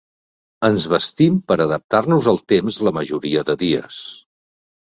Ens vestim per adaptar-nos al temps la majoria de dies.